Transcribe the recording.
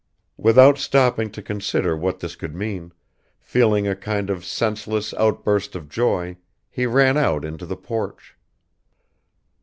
Without stopping to consider what this could mean, feeling a kind of senseless outburst of joy, he ran out into the porch